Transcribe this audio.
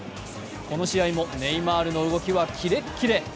この試合もネイマールの動きはキレッキレ。